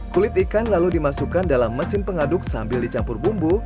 kulit ikan lalu dimasukkan dalam mesin pengaduk sambil dicampur bumbu